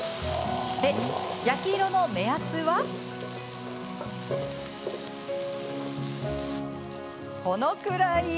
で、焼き色の目安はこのくらい。